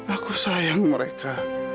aku sayang mereka